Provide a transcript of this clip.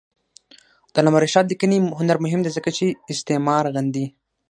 د علامه رشاد لیکنی هنر مهم دی ځکه چې استعمار غندي.